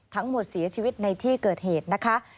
ทั้งหมดเสียชีวิตในที่เกิดเหตุนะคะ